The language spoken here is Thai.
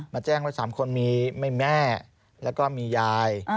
แจ้งไว้๓คนมีแม่แล้วก็มียาย